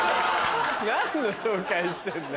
何の紹介してんだよ。